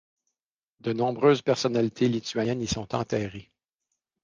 De nombreuses personnalités lituaniennes y sont enterrées.